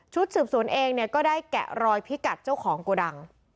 สืบสวนเองเนี่ยก็ได้แกะรอยพิกัดเจ้าของโกดัง